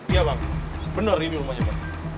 iya bang bener ini rumahnya